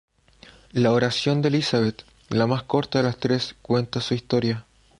La oración de Elizabeth, la más corta de las tres, cuenta su historia.